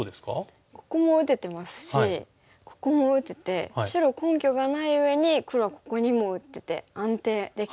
ここも打ててますしここも打てて白根拠がないうえに黒はここにも打ってて安定できてますね。